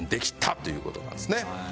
という事なんですね。